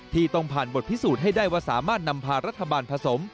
ที่ต้องผ่านบทพิสูจน์ให้ได้ว่าสามารถนำพารัฐบาลผสม